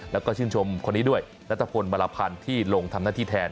แล้วก็ชื่นชมคนนี้ด้วยนัทพลมารพันธ์ที่ลงทำหน้าที่แทน